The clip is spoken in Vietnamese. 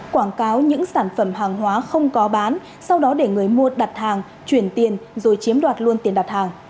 quảng cáo những sản phẩm hàng hóa không có bán sau đó để người mua đặt hàng chuyển tiền rồi chiếm đoạt luôn tiền đặt hàng